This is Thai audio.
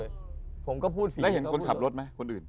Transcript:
แล้วเห็นคนขับรถไหมคนอื่น